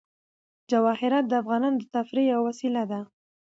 جواهرات د افغانانو د تفریح یوه وسیله ده.